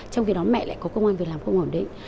trong khi đó mẹ lại có công an việc làm không ổn định